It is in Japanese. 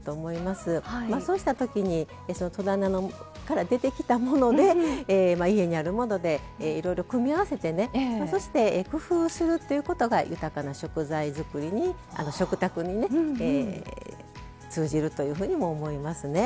そうしたときに戸棚から出てきたもので家にあるものでいろいろ組み合わせてねそして工夫するということが豊かな食材作りに食卓にね通じるというふうにも思いますね。